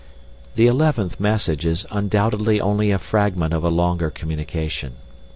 The eleventh message is undoubtedly only a fragment of a longer communication.